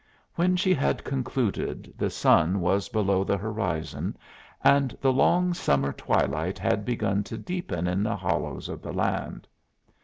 When she had concluded the sun was below the horizon and the long summer twilight had begun to deepen in the hollows of the land.